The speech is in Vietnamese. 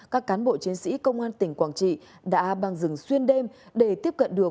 các cán bộ chiến sĩ công an tỉnh quảng trị đã băng rừng xuyên đêm để tiếp cận được